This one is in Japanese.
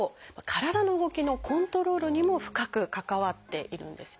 体の動きのコントロールにも深く関わっているんです。